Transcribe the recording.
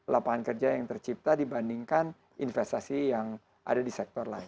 lapangan kerja yang tercipta dibandingkan investasi yang ada di sektor lain